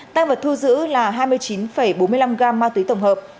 tăng vật thu giữ là hai mươi chín bốn mươi năm gram ma túy tổng hợp